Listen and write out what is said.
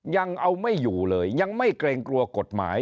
ยังเอาไม่อยู่เลยยังไม่เกรงกลัวกฎหมาย